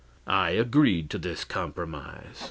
I agreed to this compromise.